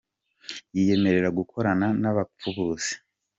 Yiyemerera gukorana n’abapfubuzi